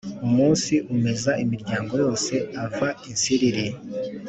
Umunsi ameza imiryango yose ava i Nsiriri